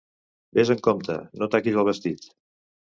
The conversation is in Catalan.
Ves amb compte: no taquis el vestit.